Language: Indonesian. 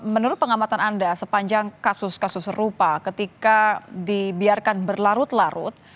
menurut pengamatan anda sepanjang kasus kasus serupa ketika dibiarkan berlarut larut